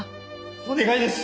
お願いです。